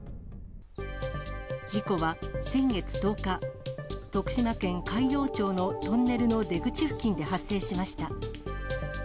事故は先月１０日、徳島県海陽町のトンネルの出口付近で発生しました。